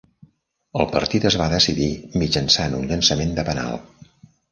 El partit es va decidir mitjançant un llançament de penal.